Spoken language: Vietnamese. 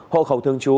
hộ khẩu thương chú